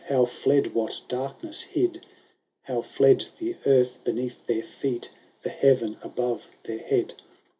How fled what darkness hid ! How fled the earth beneath their feet, The heaven above their head